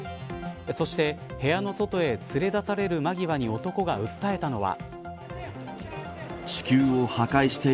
そして、部屋の外へ連れ出される間際に男が訴えたのは。